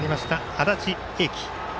安達英輝。